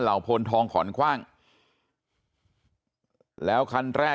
พลทองขอนคว่างแล้วคันแรก